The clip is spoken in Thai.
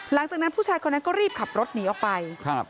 หลังจากนั้นผู้ชายคนนั้นก็รีบขับรถหนีออกไปครับ